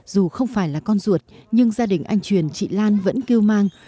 dù không phải là con ruột nhưng gia đình anh truyền chị lan vẫn kêu mang